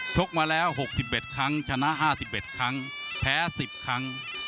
กมาแล้ว๖๑ครั้งชนะ๕๑ครั้งแพ้๑๐ครั้ง